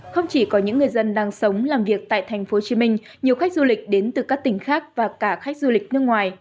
không chỉ có những người dân đang sống làm việc tại tp hcm nhiều khách du lịch đến từ các tỉnh khác và cả khách du lịch nước ngoài